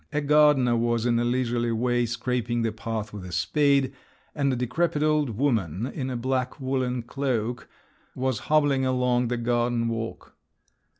A gardener was in a leisurely way scraping the path with a spade, and a decrepit old woman in a black woollen cloak was hobbling across the garden walk.